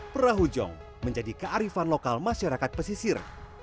perahu jong menjadi kearifan lokal masyarakat pesisir